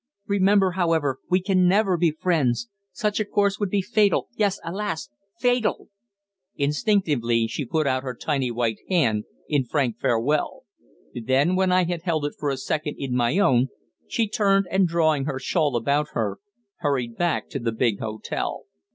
Remember, however, we can never be friends. Such a course would be fatal yes, alas! fatal!" Instinctively she put out her tiny white hand in frank farewell. Then, when I had held it for a second in my own, she turned and, drawing her shawl about her, hurried back to the big hotel.